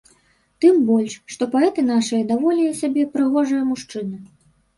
Тым больш, што паэты нашыя даволі сабе прыгожыя мужчыны.